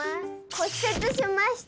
骨折しました。